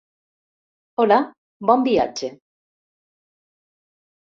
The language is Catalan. Hola, bon viatge.